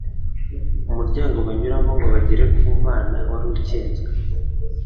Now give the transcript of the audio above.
umuryango banyuramo ngo bagere ku Mana wari ukinzwe